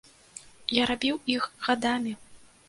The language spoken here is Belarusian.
Я рабіў іх гадамі.